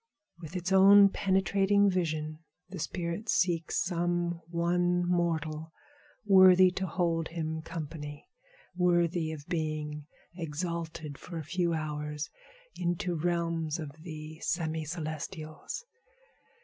With its own penetrating vision the spirit seeks some one mortal worthy to hold him company, worthy of being exalted for a few hours into realms of the semi celestials.